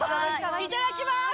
いただきます！